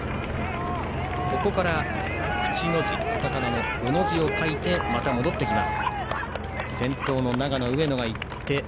ここからカタカナの「ウ」の字を描いてまた戻ってきます。